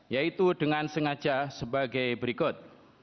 yaitu dengan sengaja sebagai berikut